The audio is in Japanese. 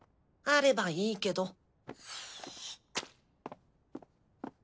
あればいいけど。